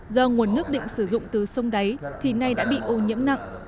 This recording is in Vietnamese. do nguồn nước định sử dụng từ sông đáy thì nay đã bị ô nhiễm nặng